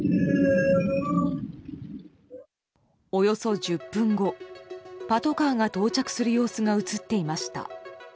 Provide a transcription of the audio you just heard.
およそ１０分後パトカーが到着する様子が映っていました。